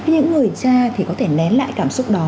những người cha thì có thể nén lại cảm xúc đó